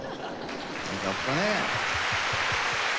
よかったね！